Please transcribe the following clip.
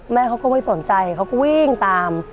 แม่เขาก็ไม่สนใจเขาก็วิ่งตาม